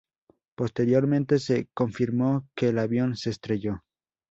Posteriormente se confirmó que el avión se estrelló.